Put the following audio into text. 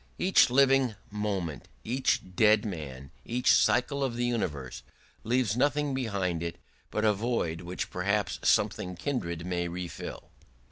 Each living moment, each dead man, each cycle of the universe leaves nothing behind it but a void which perhaps something kindred may refill.